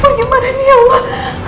ini gimana ini ya allah